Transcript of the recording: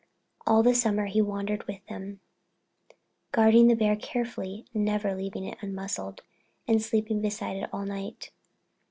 All the summer he wandered with them, guarding the bear carefully, never leaving it unmuzzled, and sleeping beside it at night.